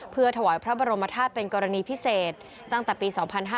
เพื่อถวายพระบรมธาตุเป็นกรณีพิเศษตั้งแต่ปี๒๕๕๙